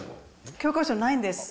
教科書ないんです。